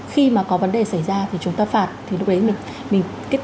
khi mà có vấn đề xảy ra thì chúng ta phạt thì lúc đấy mình tiếp